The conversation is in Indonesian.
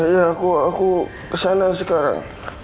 ya aku kesana sekarang